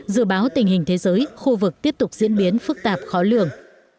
dự báo tình hình thế giới khu vực tiếp tục diễn biến phức tạp khó lường